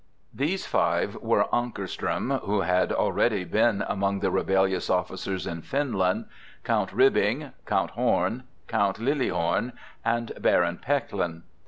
These five were Ankarström, who had already been among the rebellious officers in Finland, Count Ribbing, Count Horn, Count Liliehorn and Baron Pechlin.